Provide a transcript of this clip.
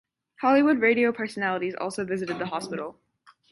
Hollywood Radio personalities also visited the hospital.